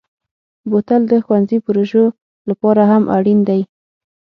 بوتل د ښوونځي پروژو لپاره هم اړین دی.